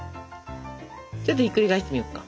ちょっとひっくり返してみようか。